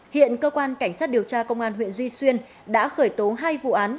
hiện cơ quan cảnh sát điều tra công an huyện duy xuyên đã khởi tố hai vụ án